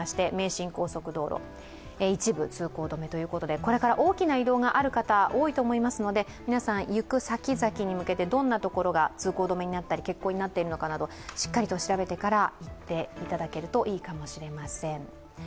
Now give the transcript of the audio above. これから大きな移動がある方、多いと思いますので、皆さん行く先々に向けてどんなところが通行止めになったり欠航になっているかなどしっかりと調べてから出ていただけるといいかもしれません。